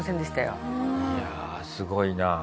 いやすごいなあ。